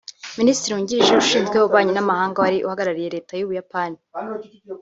Minisitiri wungirije ushinzwe ububanyi n’amahanga wari uhagarariye Leta y’u Buyapani